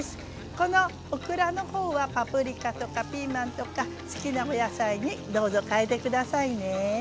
このオクラの方はパプリカとかピーマンとか好きなお野菜にどうぞ変えて下さいね。